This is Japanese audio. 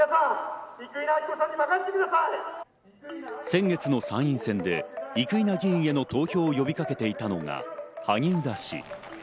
先月の参院選で生稲議員への投票を呼びかけていたのが萩生田氏。